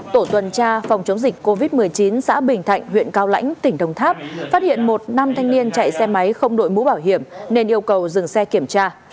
tổ tuần tra phòng chống dịch covid một mươi chín xã bình thạnh huyện cao lãnh tỉnh đồng tháp phát hiện một nam thanh niên chạy xe máy không đội mũ bảo hiểm nên yêu cầu dừng xe kiểm tra